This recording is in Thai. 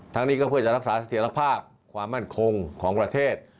นี้ก็เพื่อจะรักษาเสถียรภาพความมั่นคงของประเทศ